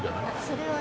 それは。